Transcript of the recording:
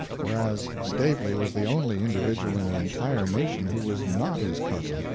Whereas Stavely was the only individual in the entire nation who was not his cousin.